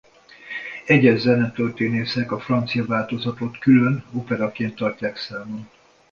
Egyes zenetörténészek a francia változatot külön operaként tartják számon.